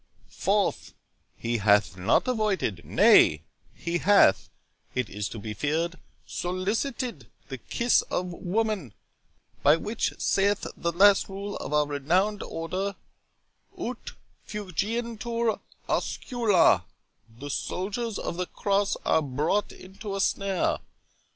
—4th, He hath not avoided, nay, he hath, it is to be feared, solicited the kiss of woman; by which, saith the last rule of our renowned Order, 'Ut fugiantur oscula', the soldiers of the Cross are brought into a snare.